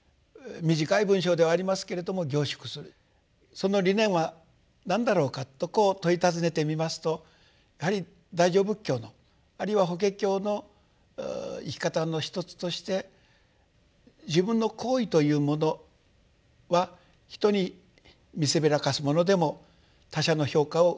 その理念は何だろうかとこう問い尋ねてみますとやはり大乗仏教のあるいは法華経の生き方の一つとして自分の行為というものは人に見せびらかすものでも他者の評価を受けるものでもないと。